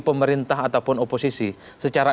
pemerintah ataupun oposisi secara